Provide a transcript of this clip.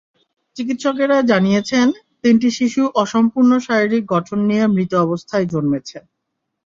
চিকিৎসকেরা জানিয়েছেন, তিনটি শিশু অসম্পূর্ণ শারীরিক গঠন নিয়ে মৃত অবস্থায় জন্মেছে।